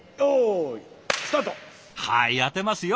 はい当てますよ！